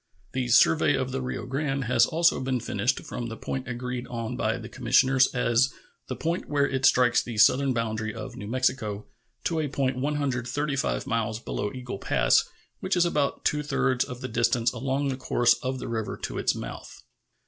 The survey of the Rio Grande has also been finished from the point agreed on by the commissioners as "the point where it strikes the southern boundary of New Mexico" to a point 135 miles below Eagle Pass, which is about two thirds of the distance along the course of the river to its mouth.